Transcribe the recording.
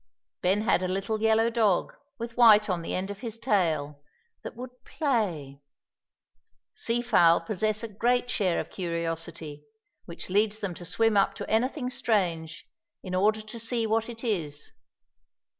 Ben had a little yellow dog, with white on the end of his tail, that would play. Sea fowl possess a great share of curiosity, which leads them to swim up to anything strange, in order to see what it is.